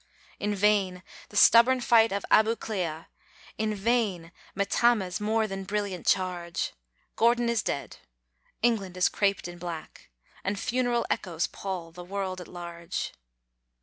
In vain the stubborn fight of Abu Klea; In vain Metammeh's more than brilliant charge; Gordon is dead; England is craped in black, And funeral echoes pall the world at large.